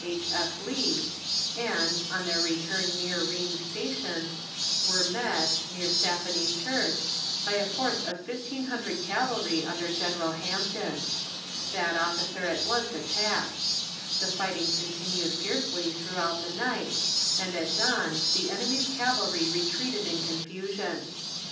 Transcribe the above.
H. F. Lee, and, on their return near Ream's Station, were met, near Sapponey Church, by a force of fifteen hundred cavalry under General Hampton. That officer at once attacked. The fighting continued fiercely throughout the night, and at dawn the enemy's cavalry retreated in confusion.